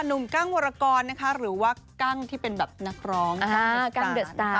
หนุ่มกั้งวรกรนะคะหรือว่ากั้งที่เป็นแบบนักร้องกั้งเดิศตาร์